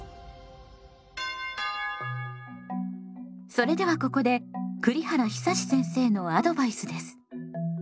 それではここで栗原久先生のアドバイスです。